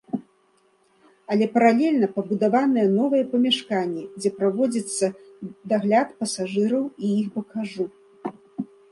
Але паралельна пабудаваныя новыя памяшканні, дзе праводзіцца дагляд пасажыраў і іх багажу.